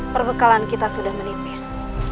perbekalan kita sudah menipis